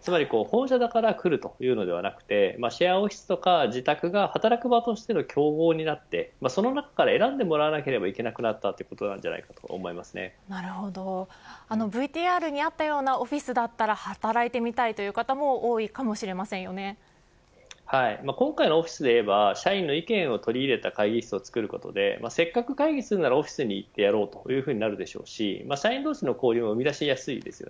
つまり、本社だから来るというのではなくシェアオフィスとか自宅が働く場としての競合になってその中から選んでもらわなければいけなくなったＶＴＲにあったようなオフィスだったら働いてみたいという方も今回のオフィスで言えば社員の意見を取り入れた会議室を作ることでせっかく会議するならオフィスに行ってやろうとなるでしょうし社員どうしの交流も見出しやすいです。